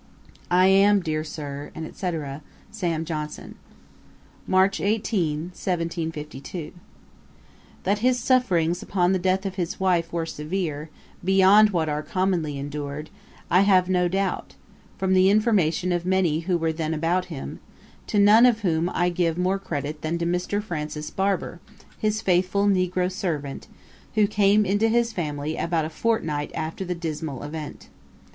'I am, dear Sir, &c. 'SAM. JOHNSON.' 'March 18, 1752.' [Page 239: Francis Barber. Ætat 43.] [Page 240: Prayers for the dead. A.D. 1752.] That his sufferings upon the death of his wife were severe, beyond what are commonly endured, I have no doubt, from the information of many who were then about him, to none of whom I give more credit than to Mr. Francis Barber, his faithful negro servant, who came into his family about a fortnight after the dismal event.